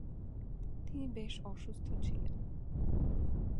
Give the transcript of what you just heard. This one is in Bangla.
তিনি বেশ অসুস্থ ছিলেন।